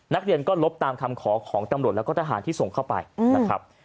นักเรียนก็ลบตามคำขอของตำรวจแล้วก็ทหารที่ส่งเข้าไปนะครับ